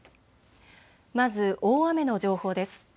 まず大雨の情報です。